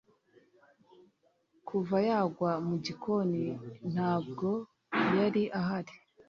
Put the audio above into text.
kuva yagwa mu gikoni, ntabwo yari ahari